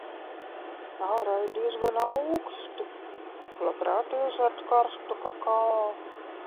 Ārā ir diezgan auksti. Labprāt iedzertu karstu kakao.